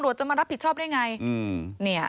จะมารับผิดชอบได้ไง